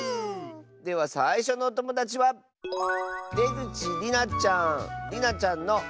ではさいしょのおともだちはりなちゃんの。